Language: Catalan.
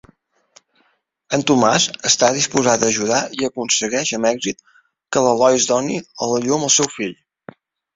En Tomàs està disposat a ajudar i aconseguix amb èxit que la Lois doni a llum al seu fill.